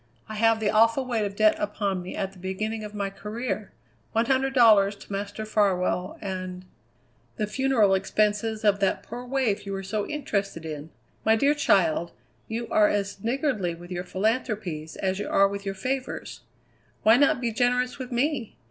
I have the awful weight of debt upon me at the beginning of my career. One hundred dollars to Master Farwell, and " "The funeral expenses of that poor waif you were so interested in! My dear child, you are as niggardly with your philanthropies as you are with your favours. Why not be generous with me?